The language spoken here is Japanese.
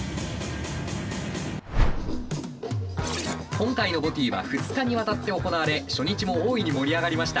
今回のＢＯＴＹは２日にわたって行われ初日も大いに盛り上がりました。